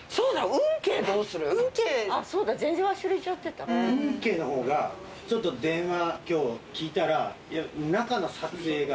運慶のほうがちょっと電話今日聞いたら中の撮影が。